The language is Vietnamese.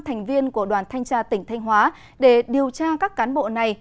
thành viên của đoàn thanh tra tỉnh thanh hóa để điều tra các cán bộ này